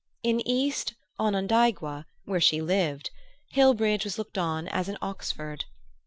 In East Onondaigua, where she lived, Hillbridge was looked on as an Oxford.